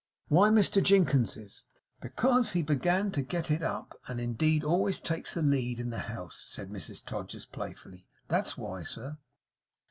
'Why Mr Jinkins's?' 'Because he began to get it up, and indeed always takes the lead in the house,' said Mrs Todgers, playfully. 'That's why, sir.